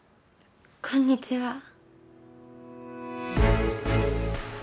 こんにちは。